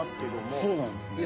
そうなんですね。